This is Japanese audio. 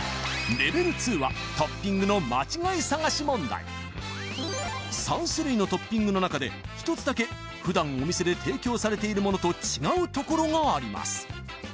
レベル２は問題３種類のトッピングの中で１つだけ普段お店で提供されているものと違うところがあります